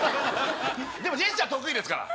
でもジェスチャー得意ですから。